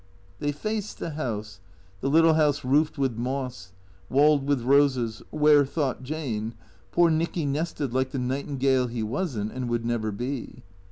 They faced the house, the little house roofed with moss, walled with roses, where, thought Jane, poor Xicky nested like the nightingale he was n't and would never be.